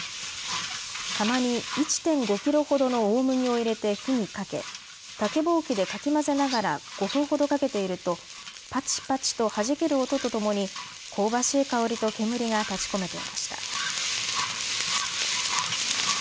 釜に１．５キロほどの大麦を入れて火にかけ竹ぼうきでかき混ぜながら５分ほどかけていると、ぱちぱちとはじける音とともにこうばしい香りと煙が立ちこめていました。